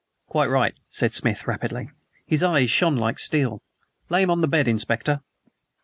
"Quite right," said Smith rapidly. His eyes shone like steel. "Lay him on the bed, Inspector."